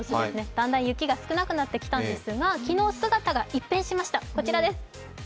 だんだん雪が少なくなってきたんですが昨日姿が一変しました、こちらです。